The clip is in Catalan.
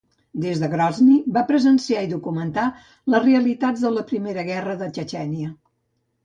Des de Grozni, va presenciar i documentar les realitats de la Primera Guerra de Txetxènia.